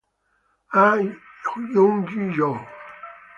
Ha Hyung-joo